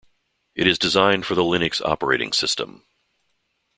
It is designed for the Linux operating system.